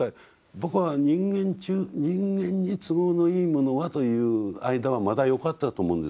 僕は人間に都合のいいものはという間はまだよかったと思うんです。